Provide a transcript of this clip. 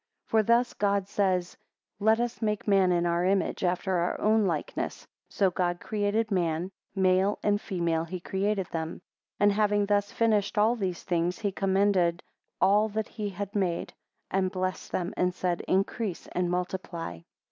8 For thus God says; Let us make man in our image, after our own likeness; so God created man, male and female created he them. 9 And having thus finished all these things, he commended all that he had made, and blessed them, and said, increase and multiply.